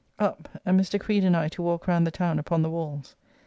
Up, and Mr. Creed and I to walk round the town upon the walls.